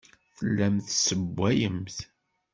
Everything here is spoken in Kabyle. Tellamt tessewwayemt.